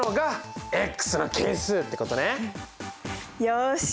よし。